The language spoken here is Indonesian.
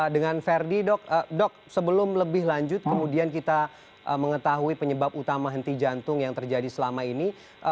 dengan verdi dok sebelum lebih lanjut kemudian kita mengetahui penyebab utama henti jantung yang terjadi selama ini